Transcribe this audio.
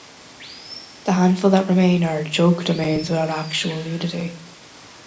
The handful that remain are joke domains without actual nudity.